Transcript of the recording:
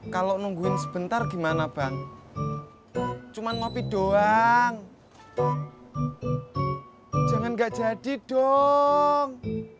kalau nungguin sebentar gimana bang cuman ngopi doang jangan gak jadi dong